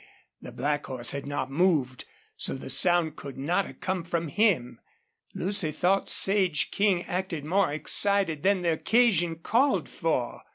The black horse had not moved, so the sound could not have come from him. Lucy thought Sage King acted more excited than the occasion called for.